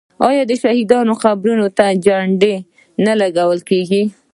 آیا د شهیدانو قبرونو ته جنډې نه لګول کیږي؟